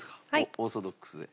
オーソドックスで。